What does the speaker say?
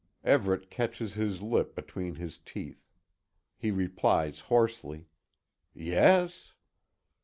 Everet catches his lip between his teeth. He replies hoarsely: "Yes."